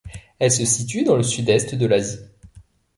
Elle se situe dans le Sud-Est de l'Asie.